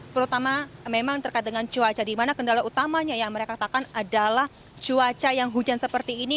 terutama memang terkait dengan cuaca di mana kendala utamanya yang mereka katakan adalah cuaca yang hujan seperti ini